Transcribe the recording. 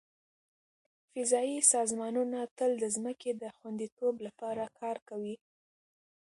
فضایي سازمانونه تل د ځمکې د خوندیتوب لپاره کار کوي.